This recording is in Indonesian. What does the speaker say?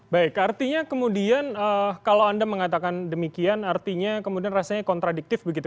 baik artinya kemudian kalau anda mengatakan demikian artinya kemudian rasanya kontradiktif begitu